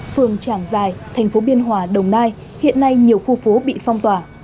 phường trảng giài thành phố biên hòa đồng nai hiện nay nhiều khu phố bị phong tỏa